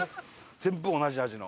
全部同じ味の。